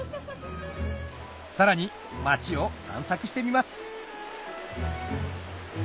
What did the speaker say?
さらに街を散策してみます